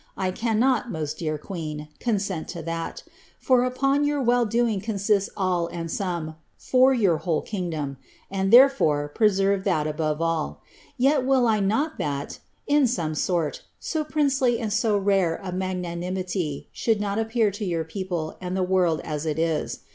I cannot, most dear queen, consent to that, for upon your well doing consists all and some, for your whole kingdom ; and, therefore, preserve that above all. Tet will I not that (in some sort) so princely and so rare a magnanimity should not appear to your people and the world as it is.